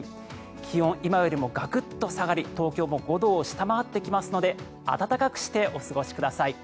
気温、今よりもガクッと下がり東京も５度を下回ってきますので暖かくしてお過ごしください。